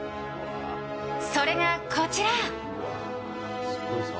それが、こちら。